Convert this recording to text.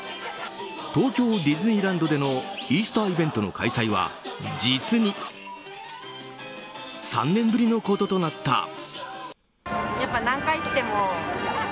東京ディズニーランドでのイースターイベントの開催は実に３年ぶりのこととなった。